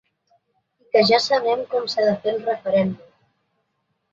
I que ja sabrem com s’ha de fer el referèndum.